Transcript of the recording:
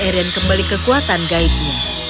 arion kembali kekuatan gaibnya